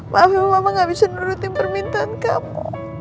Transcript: maafin mama gak bisa nurutin permintaan kamu